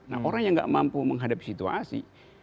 nah orang yang gak mampu menghadapi situasi